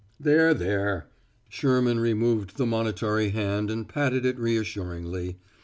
"There, there!" Sherman removed the monitory hand and patted it reassuringly.